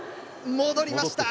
戻りました。